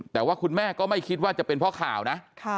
แต่ว่าคุณแม่ก็ไม่คิดว่าจะเป็นเพราะข่าวนะ